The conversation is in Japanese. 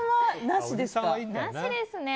なしですね。